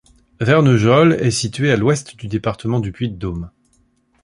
Verneugheol est située à l'ouest du département du Puy-de-Dôme.